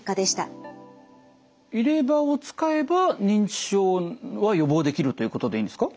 入れ歯を使えば認知症は予防できるということでいいんですか？